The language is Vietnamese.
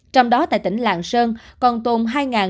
trong đó tại tỉnh lạng sơn còn tồn hai một mươi hai